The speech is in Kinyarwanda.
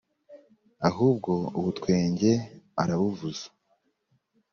ahubwo ubutwenge arabuvuza